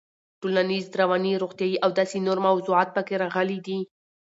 ټولنيز, رواني, روغتيايي او داسې نورو موضوعات پکې راغلي دي.